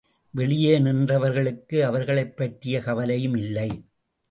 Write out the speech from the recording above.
வெளியே நின்றவர்களுக்கு அவர்களைப் பற்றிய கவலையும் இல்லை.